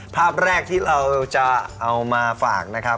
ภาพแรกที่เราจะเอามาฝากนะครับ